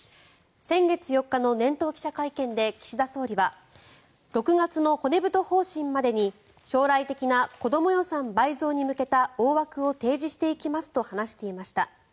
先月４日の年頭記者会見で岸田総理は６月の骨太方針までに将来的な子ども予算倍増に向けた大枠を提示していきますと話していました。